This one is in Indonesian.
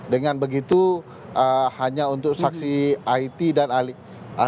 dengan begitu hanya untuk saksi it dan ahli it mereka akan mengulur waktu